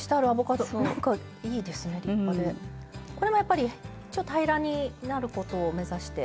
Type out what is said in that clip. これもやっぱり平らになることを目指して？